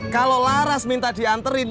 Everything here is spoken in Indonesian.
kalo laras minta dianterin